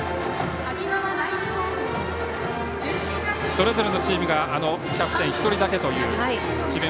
それぞれのチームがキャプテン１人だけという智弁